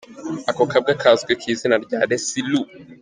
Ako kabwa kazwi ku izina rya Lacy Loo.